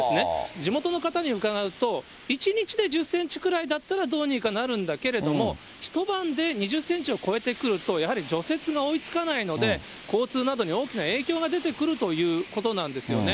地元の方に伺うと、１日で１０センチくらいだったら、どうにかなるんだけれども、一晩で２０センチを超えてくると、やはり除雪が追いつかないので、交通などに大きな影響が出てくるということなんですよね。